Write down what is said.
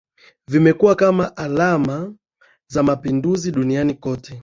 Vimekuwa kama alama za mapinduzi duniani kote